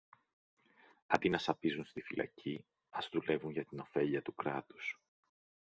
Αντί να σαπίζουν στη φυλακή, ας δουλεύουν για την ωφέλεια του κράτους.